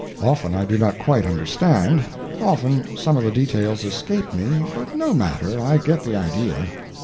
Often I do not quite understand, often some of the details escape me, but no matter, I get the idea.